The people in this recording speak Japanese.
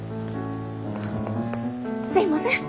すいません。